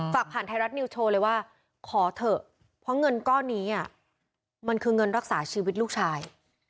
ฝากผ่านไทยรัฐนิวโชว์เลยว่าขอเถอะเพราะเงินก้อนนี้มันคือเงินรักษาชีวิตลูกชาย